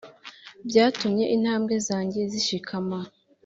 Byatumye intambwe zanjye zishikama,